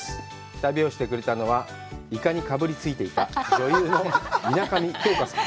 旅をしてくれたのは、イカにかぶりついていた女優の水上京香さん。